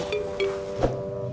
kamu baca lagi